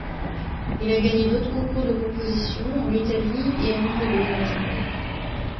Il a gagné d'autres concours de composition, en Italie et en Uruguay notamment.